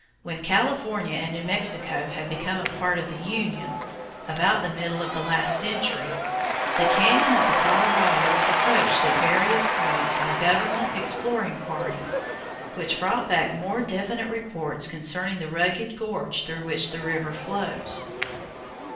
When California and New Mexico had become a part of the Union, about the middle of the last century, the cañon of the Colorado was approached at various points by government exploring parties, which brought back more definite reports concerning the rugged gorge through which the river flows.